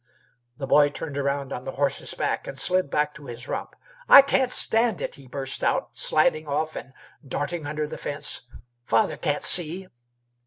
The boy turned around on the horse's back and slid back to his rump. "I can't stand it!" he burst out, sliding off and darting under the fence. "Father can't see."